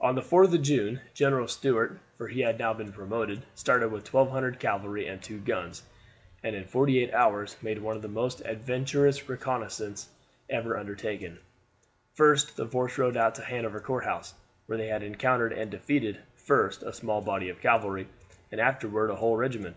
On the 4th of June, General Stuart for he had now been promoted started with 1,200 cavalry and two guns, and in forty eight hours made one of the most adventurous reconnaissances ever undertaken. First the force rode out to Hanover Courthouse, where they encountered and defeated, first, a small body of cavalry, and afterward a whole regiment.